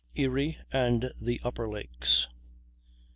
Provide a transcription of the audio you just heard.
Erie and the Upper Lakes.